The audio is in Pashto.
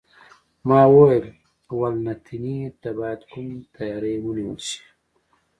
ما وویل: والنتیني ته باید کوم تیاری ونیول شي؟